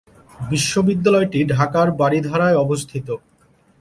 বিশ্ববিদ্যালয়টি ঢাকার বারিধারায় অবস্থিত।